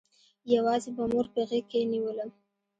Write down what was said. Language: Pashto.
يوازې به مور په غېږ کښې نېولم.